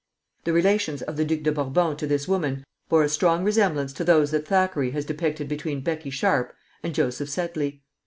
] The relations of the Duc de Bourbon to this woman bore a strong resemblance to those that Thackeray has depicted between Becky Sharp and Jos Sedley.